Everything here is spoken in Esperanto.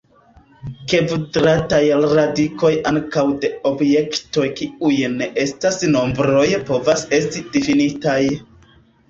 Kvadrataj radikoj ankaŭ de objektoj kiuj ne estas nombroj povas esti difinitaj.